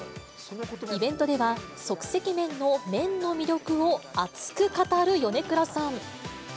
イベントでは、即席麺の麺の魅力を熱く語る米倉さん。